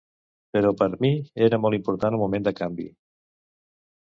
Però per mi era molt important el moment de canvi.